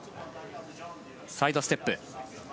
サイドステップ。